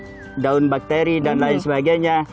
ada daun bakteri dan lain sebagainya